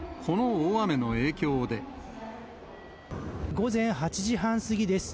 午前８時半過ぎです。